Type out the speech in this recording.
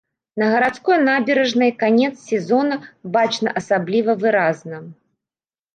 На гарадской набярэжнай канец сезона бачны асабліва выразна.